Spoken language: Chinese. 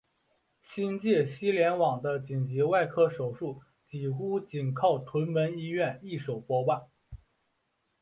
新界西联网的紧急外科手术几乎仅靠屯门医院一手包办。